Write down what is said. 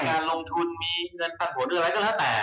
การลงทุนมีเงินปันผลหรืออะไรก็แล้วแต่